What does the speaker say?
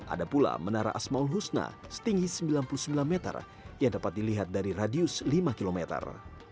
ada pula menara asmaul husna setinggi sembilan puluh sembilan meter yang dapat dilihat dari radius lima kilometer